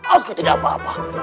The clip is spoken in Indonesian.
aku tidak apa apa